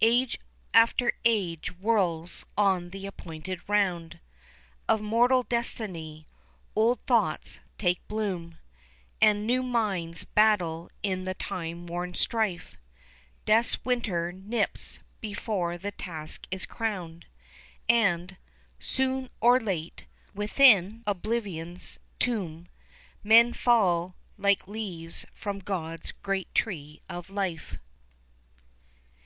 Age after age whirls on the appointed round Of mortal destiny; old thoughts take bloom; And new minds battle in the time worn strife, Death's winter nips before the task is crowned, And, soon or late, within oblivion's tomb Men fall like leaves from God's great tree of life.